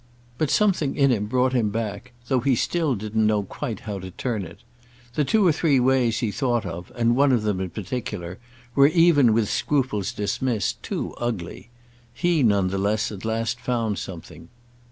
But something in him brought him back, though he still didn't know quite how to turn it. The two or three ways he thought of, and one of them in particular, were, even with scruples dismissed, too ugly. He none the less at last found something.